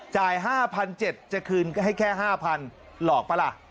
๕๗๐๐จะคืนให้แค่๕๐๐หลอกป่ะล่ะ